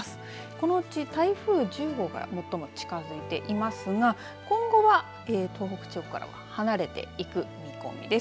このうち台風１０号が最も近づいていますが今後は東北地方からは離れていく見込みです。